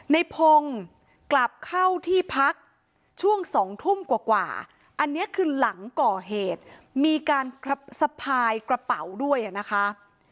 ในพงศ์กลับเข้าที่พักช่วง๒ทุ่มกว่าอันนี้คือหลังก่อเหตุมีการสะพายกระเป๋าด้วยนะคะ